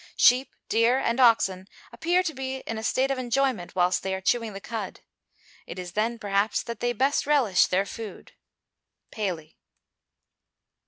Sheep, deer, and oxen, appear to be in a state of enjoyment whilst they are chewing the cud. It is then, perhaps, that they best relish their food. _Paley.